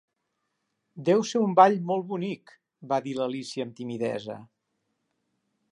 "Deu ser un ball molt bonic", va dir l'Alícia amb timidesa.